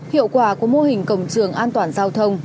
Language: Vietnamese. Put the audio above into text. hiệu quả của mô hình cổng trường an toàn giao thông